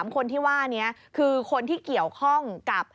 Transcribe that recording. ๓คนที่ว่านี้คือคนที่เกี่ยวข้องกับ